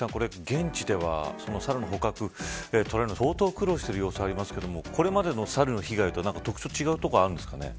現地ではそのサルの捕獲捉えるの、相当苦労している様子がありますがこれまでのサルの被害と特徴が違うところ、あるんですか。